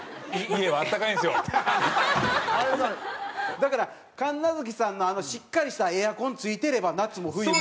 だから神奈月さんのしっかりしたエアコン付いてれば夏も冬も。